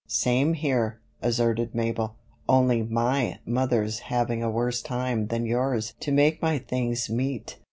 "Same here," asserted Mabel. "Only my mother's having a worse time than yours to make my things meet.